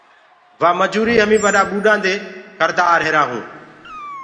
وآ مجوٚريٚ همي ٻڏآ ٻوڏآ دي ڪردآ آريهرآ هونٚ۔